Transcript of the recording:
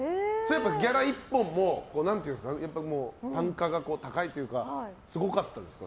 ギャラ１本も単価が高いというかすごかったですか？